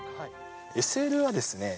ＳＬはですね